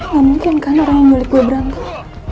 gak mungkin kan orang yang milik gue berantem